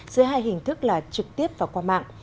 dưới hai hình thức là trực tiếp và qua mạng